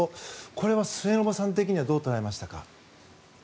これは末延さん的にはどう捉えましたか？